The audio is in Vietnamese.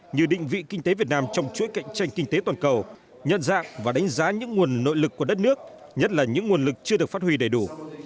như định vị kinh tế việt nam trong chuỗi cạnh tranh kinh tế toàn cầu nhận dạng và đánh giá những nguồn nội lực của đất nước nhất là những nguồn lực chưa được phát huy đầy đủ